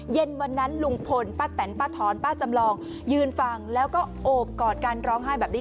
เย็นวันนั้นลุงพลป้าแตนป้าถอนป้าจำลองยืนฟังแล้วก็โอบกอดกันร้องไห้แบบนี้